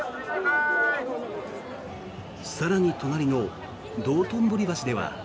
更に隣の道頓堀橋では。